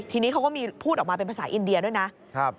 ทีนี้เขาก็มีพูดออกมาเป็นภาษาอินเดียด้วยนะครับ